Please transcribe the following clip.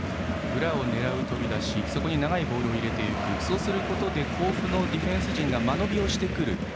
裏を狙う飛び出しに長いボールを入れていくことで甲府のディフェンス陣が間延びをしてくる。